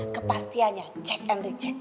kepastiannya cek and reject